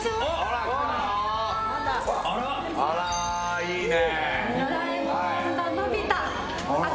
あら、いいね。